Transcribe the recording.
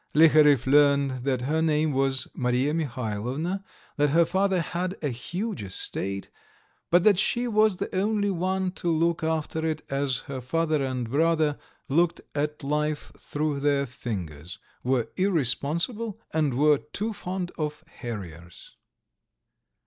Liharev learned that her name was Marya Mihailovna, that her father had a huge estate, but that she was the only one to look after it as her father and brother looked at life through their fingers, were irresponsible, and were too fond of harriers.